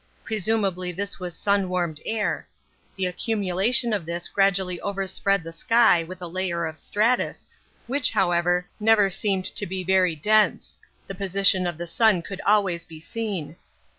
Presumably this was sun warmed air. The accumulation of this gradually overspread the sky with a layer of stratus, which, however, never seemed to be very dense; the position of the sun could always be seen.